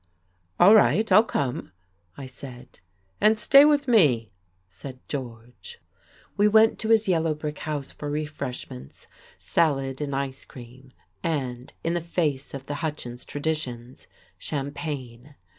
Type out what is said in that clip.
"All right, I'll come," I said. "And stay with me," said George.... We went to his yellow brick house for refreshments, salad and ice cream and (in the face of the Hutchins traditions) champagne.